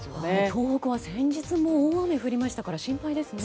東北は先日も大雨が降りましたから心配ですね。